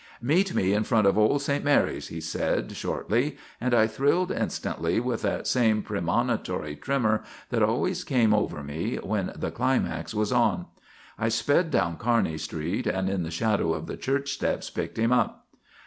"Meet me in front of old St. Mary's," he said, shortly, and I thrilled instantly with that same premonitory tremor that always came over me when the climax was on. I sped down Kearney Street and in the shadow of the church steps picked him up.